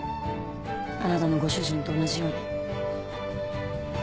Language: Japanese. あなたのご主人と同じように。